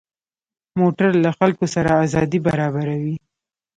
موټر له خلکو سره ازادي برابروي.